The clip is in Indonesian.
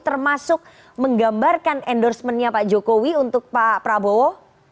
termasuk menggambarkan endorsement nya pak jokowi untuk pak prabowo